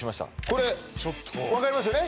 これわかりますよね？